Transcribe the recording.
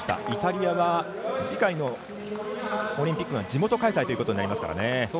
イタリアは次回のオリンピックが地元開催ということになりますからね。